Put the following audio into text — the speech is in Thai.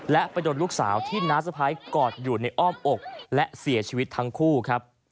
และไปโดนลูกสาวที่น้าสะพ้ายกอดอยู่ในอ้อมอกและเสียชีวิตทั้งคู่ครับ